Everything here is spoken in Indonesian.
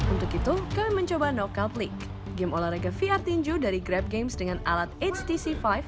untuk itu kami mencoba knoc cuplik game olahraga vr tinju dari grab games dengan alat htc lima